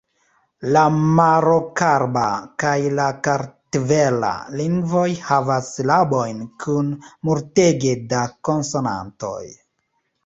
La marokaraba kaj la kartvela lingvoj havas silabojn kun multege da konsonantoj.